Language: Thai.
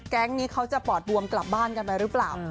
แก๊งนี้เขาจะปอดบวมกลับบ้านกันไปหรือเปล่า